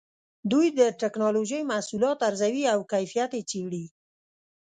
دوی د ټېکنالوجۍ محصولات ارزوي او کیفیت یې څېړي.